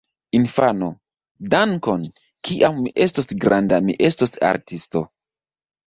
Infano: "Dankon! Kiam mi estos granda, mi estos artisto!"